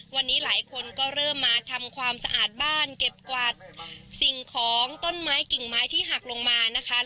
วันนี้หลายคนก็เริ่มมาทำความสะอาดบ้านเก็บกวาดสิ่งของต้นไม้กิ่งไม้ที่หักลงมานะคะ